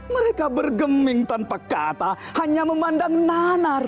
mereka bergeming tanpa kata hanya memandang nanar